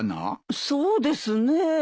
そうですねえ。